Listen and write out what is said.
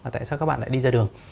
tại sao các bạn lại đi ra đường